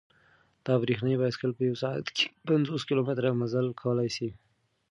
دا برېښنايي بایسکل په یوه ساعت کې پنځوس کیلومتره مزل کولای شي.